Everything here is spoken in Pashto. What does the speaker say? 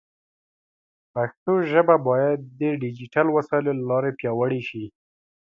پښتو ژبه باید د ډیجیټل وسایلو له لارې پیاوړې شي.